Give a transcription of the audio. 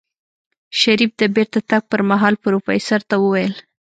شريف د بېرته تګ پر مهال پروفيسر ته وويل.